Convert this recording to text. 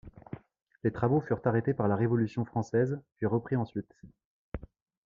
Les travaux furent arrêtés par la Révolution française puis repris ensuite.